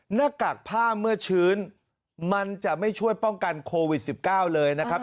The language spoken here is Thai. หน้ากากผ้าเมื่อชื้นมันจะไม่ช่วยป้องกันโควิด๑๙เลยนะครับ